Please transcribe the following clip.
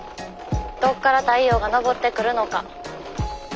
どっから太陽が昇ってくるのか。